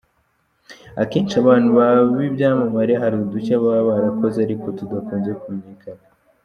Akenshi abantu baba b’ibyamamare hari udushya baba barakoze ariko tudakunze kumenyekana.